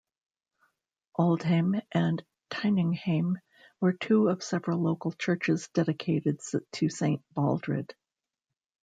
Auldhame and Tyninghame were two of several local churches dedicated to Saint Baldred.